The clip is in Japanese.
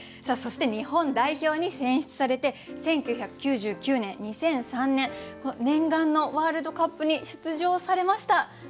さあそして日本代表に選出されて１９９９年２００３年念願のワールドカップに出場されました。